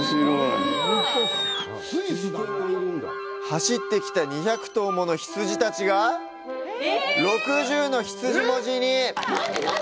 走ってきた２００頭もの羊たちが「６０」の羊文字に！